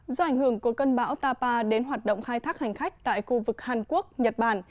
do ảnh hưởng của cơn bão tapa đến hoạt động khai thác hành khách tại khu vực hàn quốc nhật bản